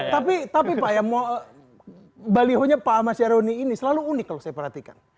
tapi pak ya balihonya pak ahmad syaroni ini selalu unik kalau saya perhatikan